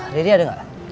riri ada gak